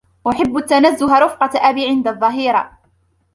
أحب التنزه رفقة أبي عند الظهيرة